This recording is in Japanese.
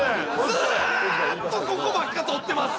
ずっとここばっか撮ってます